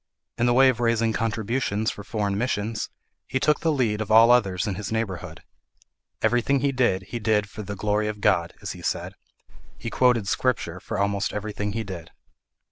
In the way of raising contributions for foreign missions, he took the lead of all others in his neighbourhood. Everything he did, he did for the "glory of God," as he said: he quoted Scripture for almost everything he did.